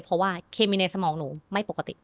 เพราะว่าเคมีในสมองหนูไม่ปกติ